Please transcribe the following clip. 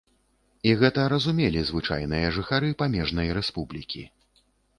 І гэта разумелі звычайныя жыхары памежнай рэспублікі.